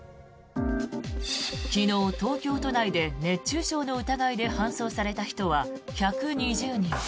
昨日、東京都内で熱中症の疑いで搬送された人は１２０人。